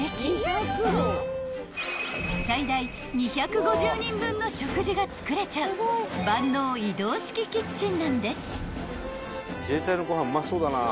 ［最大２５０人分の食事が作れちゃう万能移動式キッチンなんです］